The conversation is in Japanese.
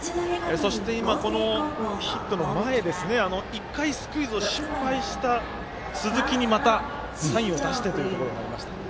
そして今、ヒットの前１回、スクイズを失敗した鈴木にまたサインを出してというところもありました。